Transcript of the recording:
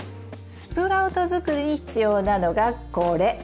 スプラウトづくりに必要なのがこれ！